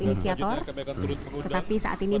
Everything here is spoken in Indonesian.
inisiator tetapi saat ini